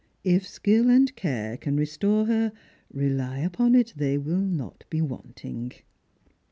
" If skill and care can restore her, rely upon it they will not be wanting."